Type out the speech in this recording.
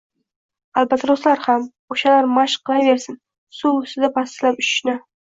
Albatroslar ham. O‘shalar mashq qilaversin suv ustida pastlab uchishni!